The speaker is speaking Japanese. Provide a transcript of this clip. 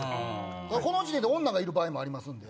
この時点で女がいる場合もありますんで。